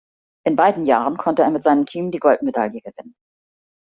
In beiden Jahren konnte er mit seinem Team die Goldmedaille gewinnen.